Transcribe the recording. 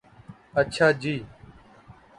اچھا جی